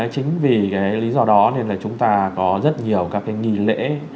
chính vì cái lý do đó nên là chúng ta có rất nhiều các cái nghỉ lễ